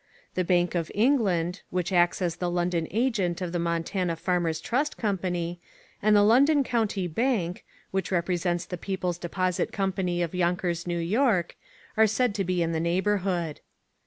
The Bank of England which acts as the London Agent of The Montana Farmers Trust Company, and the London County Bank, which represents the People's Deposit Co., of Yonkers, N.Y., are said to be in the neighbourhood.